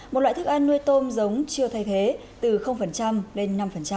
một loại thức ăn nuôi tôm giống chưa thay thế từ lên năm